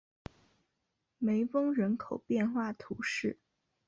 梅翁人口变化图示